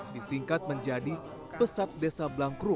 disingkat menjadi pesat desa blank room